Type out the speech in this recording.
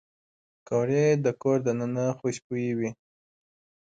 پکورې د کور دننه خوشبويي وي